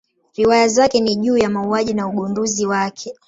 Riwaya zake ni juu ya mauaji na ugunduzi wake.